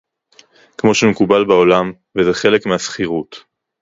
כמו שמקובל בעולם, וזה חלק מהשכירות